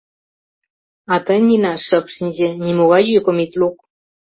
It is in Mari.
А тый, Нина, шып шинче, нимогай йӱкым ит лук.